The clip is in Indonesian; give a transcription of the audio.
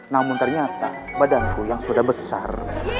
namun ternyata badanku yang sudah besar